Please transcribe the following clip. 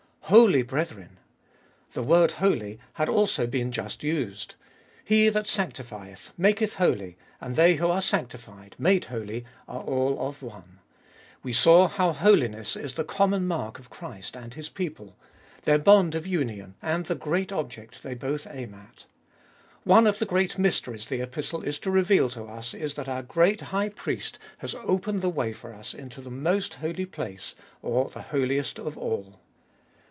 Holy brethren! The word holy had also been just used. He that sanctifieth, maketh holy, and they who are sanctified, made holy, are all of one. We saw how holiness is the common mark of Christ and His people : their bond of union, and the great object they both aim at. One of the great mysteries the Epistle is to reveal to us is that our great High Priest has opened the way for us into the Most Holy Place or the Holiest of All.